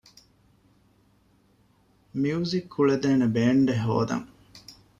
މިއުޒިކް ކުޅޭދޭނެ ބޭންޑެއް ހޯދަން